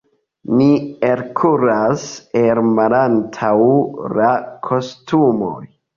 Ni elkuras el malantaŭ la kostumoj.